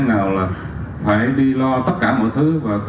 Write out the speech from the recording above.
nào là phải đi lo tất cả mọi thứ